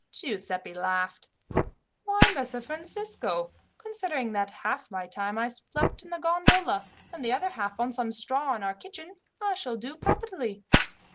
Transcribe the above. Giuseppi laughed. "Why, Messer Francisco, considering that half my time I slept in the gondola, and the other half on some straw in our kitchen, I shall do capitally.